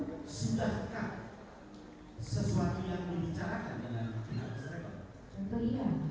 adakah kewajiban kewajiban lain misalnya